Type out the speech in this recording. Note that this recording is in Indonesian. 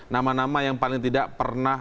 nama nama yang paling tidak pernah